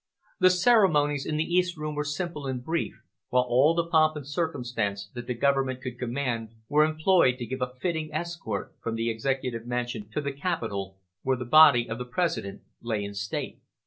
The ceremonies in the East Room were simple and brief, while all the pomp and circumstance that the government could command were employed to give a fitting escort from the Executive Mansion to the Capitol, where the body of the President lay in state.